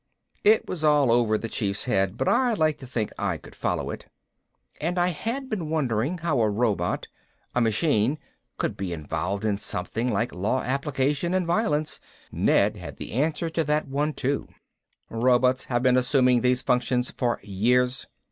It was all over the Chief's head, but I liked to think I could follow it. And I had been wondering how a robot a machine could be involved in something like law application and violence. Ned had the answer to that one too. "Robots have been assuming these functions for years.